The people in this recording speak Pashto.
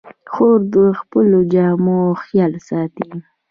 خور د خپلو جامو خیال ساتي.